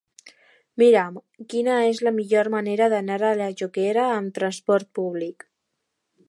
Mira'm quina és la millor manera d'anar a la Jonquera amb trasport públic.